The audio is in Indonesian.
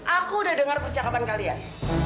aku udah dengar percakapan kalian